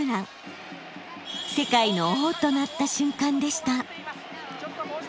「世界の王」となった瞬間でした。